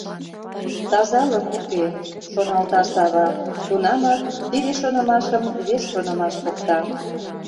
— Тазалык уке... — шоналта Сава, тунамак тиде шонымашым вес шонымаш покта.